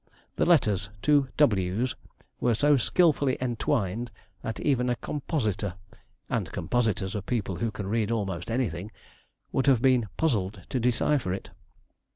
The letters, two W's, were so skilfully entwined, that even a compositor and compositors are people who can read almost anything would have been puzzled to decipher it.